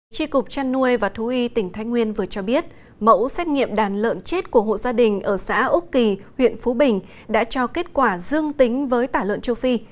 tri cục trăn nuôi và thú y tỉnh thái nguyên vừa cho biết mẫu xét nghiệm đàn lợn chết của hộ gia đình ở xã úc kỳ huyện phú bình đã cho kết quả dương tính với tả lợn châu phi